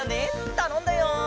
たのんだよ。